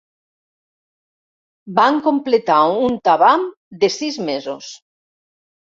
Van completar un Tavam de sis mesos.